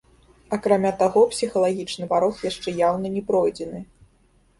Акрамя таго, псіхалагічны парог яшчэ яўна не пройдзены.